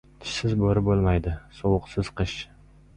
• Tishsiz bo‘ri bo‘lmaydi, sovuqsiz ― qish.